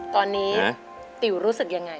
ตอนนี้ติ๋วรู้สึกยังไง